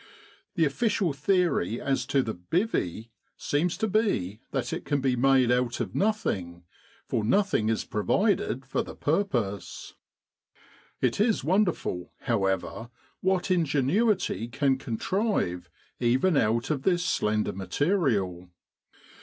The official theory as to the "bivvy" seems to be that it can be made out of nothing, for nothing is provided for the purpose. It is wonderful, how ever, what ingenuity can contrive even out of this slender material.